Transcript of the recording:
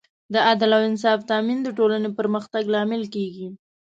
د عدل او انصاف تامین د ټولنې پرمختګ لامل کېږي.